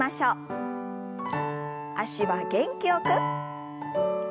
脚は元気よく。